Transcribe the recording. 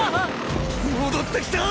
戻ってきた！